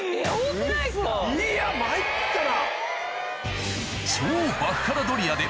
いや参ったな。